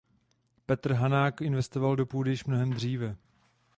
Petr Hanák investoval do půdy již mnohem dříve.